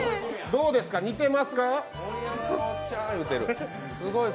どうですか、似てますか？